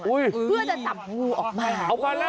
เพื่อจะตับงูออกมา